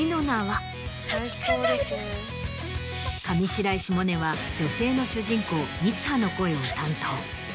上白石萌音は女性の主人公三葉の声を担当。